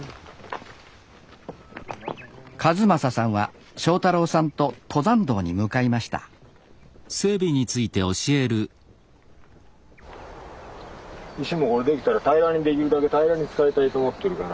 一正さんは正太郎さんと登山道に向かいました石もこれできたら平らにできるだけ平らに使いたいと思ってるから。